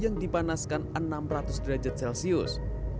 yang dipanaskan enam ratus derajat celcius